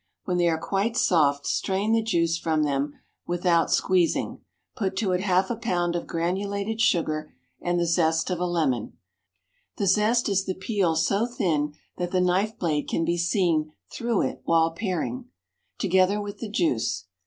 When they are quite soft strain the juice from them without squeezing; put to it half a pound of granulated sugar and the zest of a lemon (the zest is the peel so thin that the knife blade can be seen, through it while paring), together with the juice.